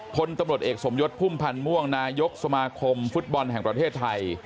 พลตำรวจเอกสมยศพุ่มพันธ์ม่วงนายกสมาคมฟุตบอลแห่งประเทศไทย